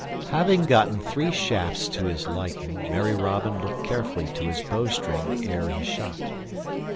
Having gotten three shafts to his liking, merry Robin looked carefully to his bowstring ere he shot.